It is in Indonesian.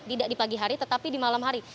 tidak di pagi hari tetapi di malam hari